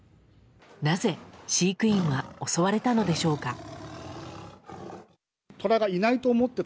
なぜ、飼育員は襲われたのでしょうか。